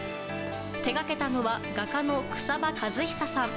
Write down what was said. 手がけたのは画家の草場一壽さん。